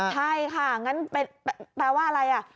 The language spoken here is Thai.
ใช่ค่ะงั้นแปลว่าอะไรอ่ะ